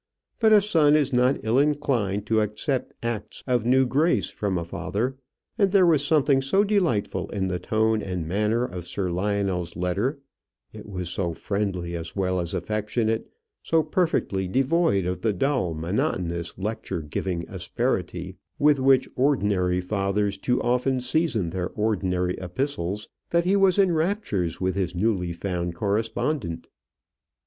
But a son is not ill inclined to accept acts of new grace from a father; and there was something so delightful in the tone and manner of Sir Lionel's letter, it was so friendly as well as affectionate, so perfectly devoid of the dull, monotonous, lecture giving asperity with which ordinary fathers too often season their ordinary epistles, that he was in raptures with his newly found correspondent.